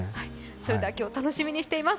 それでは今日、楽しみにしています。